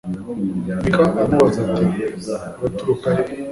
mika aramubaza ati uraturuka he